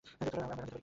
আমরা এখন যেতে পারি?